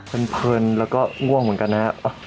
เพลินแล้วก็ง่วงเหมือนกันนะครับ